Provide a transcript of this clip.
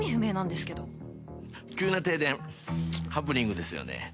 急な停電ハプニングですよね。